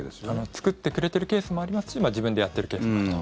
作ってくれてるケースもありますし自分でやってるケースもあると。